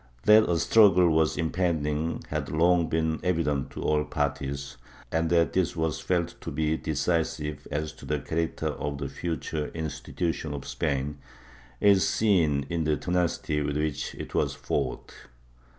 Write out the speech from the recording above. That a struggle was impending had long been evident to all parties, and that this was felt to be decisive as to the character of the future institutions of Spain is seen in the tenacity with which it was fought.